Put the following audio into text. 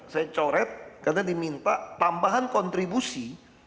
saya coret karena diminta tambahan kontribusi